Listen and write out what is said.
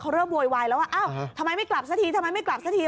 เขาเริ่มโวยวายแล้วว่าเอ้าทำไมไม่กลับสักที